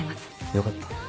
よかった。